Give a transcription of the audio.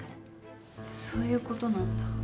そういう事なんだ。